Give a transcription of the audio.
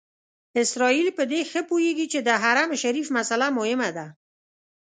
اسرائیل په دې ښه پوهېږي چې د حرم شریف مسئله مهمه ده.